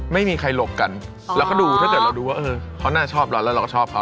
ไม่มีใครหลบกันแล้วก็ดูถ้าเกิดเราดูว่าเออเขาน่าชอบเราแล้วเราก็ชอบเขา